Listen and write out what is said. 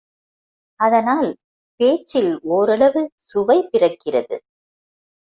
அதனால் பேச்சில் ஓரளவு சுவை பிறக்கிறது.